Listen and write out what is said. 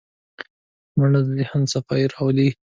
منډه د ذهن صفايي راولي